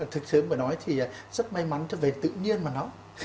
thực tế mà nói thì rất may mắn cho về tự nhiên mà nó